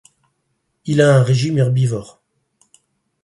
Il a un régime herbivore.